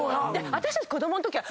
私たち子供のときは。